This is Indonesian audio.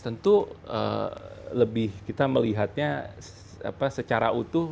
tentu lebih kita melihatnya secara utuh